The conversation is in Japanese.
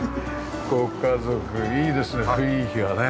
ご家族いいですね雰囲気がね。